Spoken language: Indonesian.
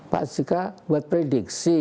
pak zika buat prediksi